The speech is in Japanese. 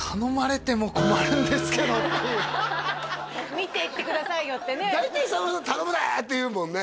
見ていってくださいよってね「大体さんまさん頼むで！」って言うもんね